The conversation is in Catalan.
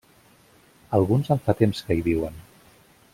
Alguns en fa temps que hi viuen.